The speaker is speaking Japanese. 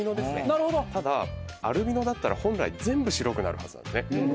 なるほどただアルビノだったら本来全部白くなるはずなんですね